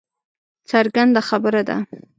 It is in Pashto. څرګنده خبره ده